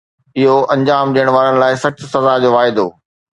اهو انجام ڏيڻ وارن لاءِ سخت سزا جو واعدو